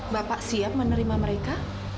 bapak siap menerima mereka